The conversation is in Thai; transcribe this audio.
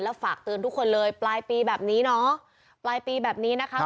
ฝากเตือนทุกคนเลยปลายปีแบบนี้เนาะปลายปีแบบนี้นะคะ